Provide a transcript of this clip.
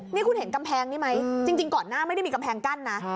นี่คุณเห็นกำแพงนี่ไหมจริงก่อนหน้าไม่ได้มีกำแพงกั้นนะ